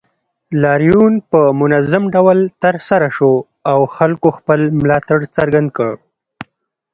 لاریون په منظم ډول ترسره شو او خلکو خپل ملاتړ څرګند کړ